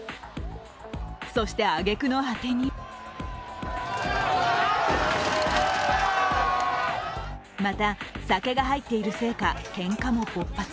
そしてあげくの果てにまた酒が入っているせいかけんかも勃発。